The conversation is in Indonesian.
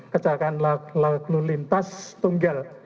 kecelakaan lalu lintas tunggal